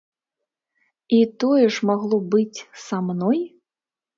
І тое ж магло быць са мной?